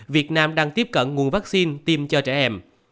việt nam đang tiếp cận nguồn vaccine tiêm cho trẻ em